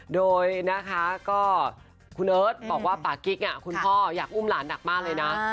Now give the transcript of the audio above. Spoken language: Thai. โดยนะคะก็คุณเอิร์ทบอกว่าปากกิ๊กคุณพ่ออยากอุ้มหลานหนักมากเลยนะ